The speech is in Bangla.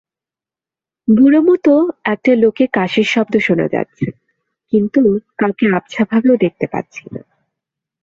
বুড়োমতো একটা লোকের কাশির শব্দ শোনা যাচ্ছে, কিন্তু কাউকে আবছাভাবেও দেখতে পাচ্ছি না।